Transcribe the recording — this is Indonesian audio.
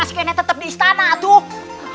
masih kena tetap di istana atuh